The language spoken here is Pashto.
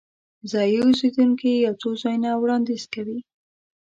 ځایي اوسیدونکي یو څو ځایونه وړاندیز کوي.